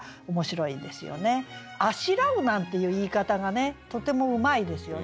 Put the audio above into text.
「あしらう」なんていう言い方がねとてもうまいですよね。